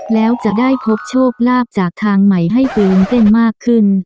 แล้วจะได้พบโชคลาภจากทางใหม่ให้ตื่นเต้นมากขึ้น